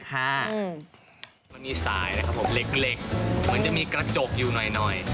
ค่ะอืมมันมีสายนะครับผมเล็กเล็กมันจะมีกระจกอยู่หน่อยหน่อย